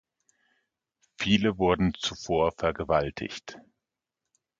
Viele wurden zuvor vergewaltigt.